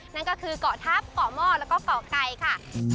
นั่นก็คือเกาะทัพเกาะหม้อแล้วก็เกาะไก่ค่ะ